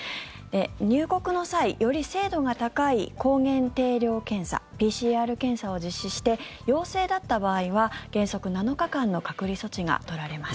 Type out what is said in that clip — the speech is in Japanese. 入国の際より精度が高い抗原定量検査ＰＣＲ検査を実施して陽性だった場合は原則７日間の隔離措置が取られます。